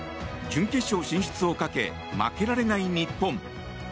準決勝進出をかけ負けられない日本。